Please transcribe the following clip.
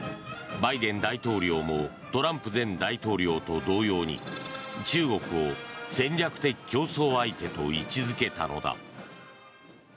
バイデン大統領もトランプ前大統領と同様に中国を戦略的競争相手と位置付けたのだ。